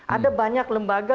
ada banyak lembaga